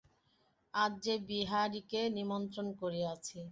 আজ যে বিহারীকে নিমন্ত্রণ করিয়াছি।